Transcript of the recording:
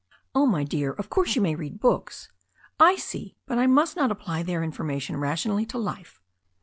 "Oh, my dear, of course you may read books " "I see, but I must not apply their information rationally to life